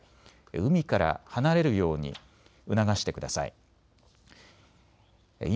海から離れるように促してください。